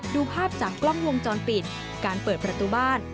ดูภาพจากกล้องวงจรปิดการเปิดประตูบ้าน